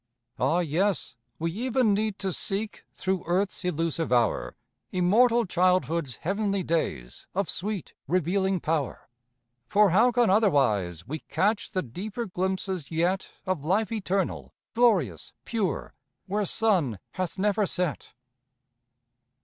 Ah, yes; we even need to seek, Through earth's illusive hour, Immortal childhood's heavenly days Of sweet, revealing power; For how can otherwise we catch The deeper glimpses yet Of life eternal, glorious, pure, Where sun hath never set?